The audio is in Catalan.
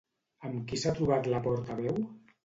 Amb qui s'ha trobat la portaveu?